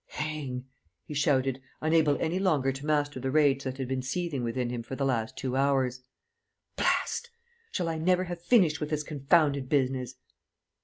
"Hang!" he shouted, unable any longer to master the rage that had been seething within him for the last two hours. "Blast! Shall I never have finished with this confounded business?"